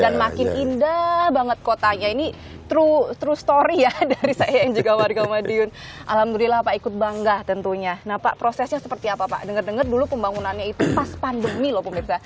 dan makin indah banget kotanya ini true story ya dari saya yang juga warga madiun alhamdulillah pak ikut bangga tentunya nah pak prosesnya seperti apa pak dengar dengar dulu pembangunannya itu pas pandemi loh pemirsa